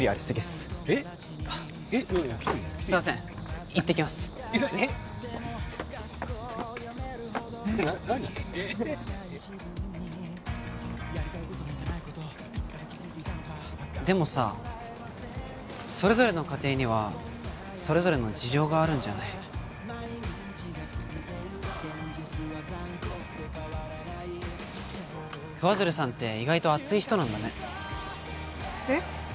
すいません行ってきますでもさそれぞれの家庭にはそれぞれの事情があるんじゃない桑鶴さんって意外と熱い人なんだねえっ？